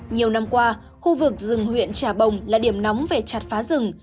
nhiều năm qua khu vực rừng huyện trà bồng là điểm nóng về chặt phá rừng